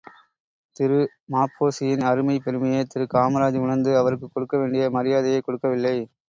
திரு ம.பொ.சியின் அருமை பெருமையை திரு காமராஜ் உணர்ந்து அவருக்குக் கொடுக்க வேண்டிய மரியாதையைக் கொடுக்கவில்லை.